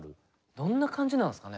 どんな感じなんですかね。